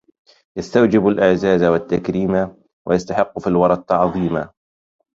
يستوجب الإعزاز و التكريما ويستحق في الوري التعظيما